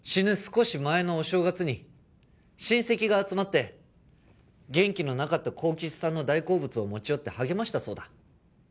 少し前のお正月に親戚が集まって元気のなかった幸吉さんの大好物を持ち寄って励ましたそうだ